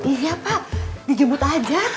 iya pak dijemput aja